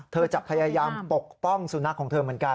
เธอจะพยายามปกป้องสุนัขของเธอเหมือนกัน